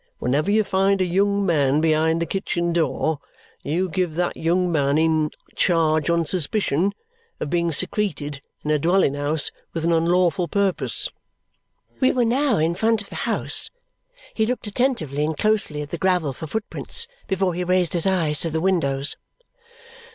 Whenever you find a young man behind the kitchen door, you give that young man in charge on suspicion of being secreted in a dwelling house with an unlawful purpose." We were now in front of the house; he looked attentively and closely at the gravel for footprints before he raised his eyes to the windows.